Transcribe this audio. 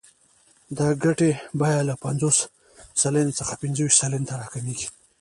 د ګټې بیه له پنځوس سلنې څخه پنځه ویشت سلنې ته راکمېږي